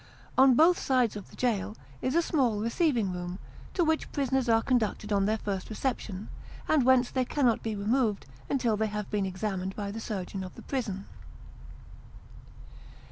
On both sides of the jail, is a small receiving room, to which prisoners are conducted on their first reception, and whence they cannot be removed until they have been examined by the surgeon of the prison.